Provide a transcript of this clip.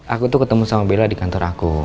aku tuh ketemu sama bella di kantor aku